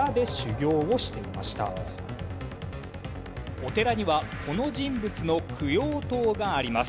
お寺にはこの人物の供養塔があります。